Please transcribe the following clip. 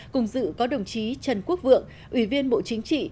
cùng dự có đồng chí trần quốc vượng ủy viên bộ chính trị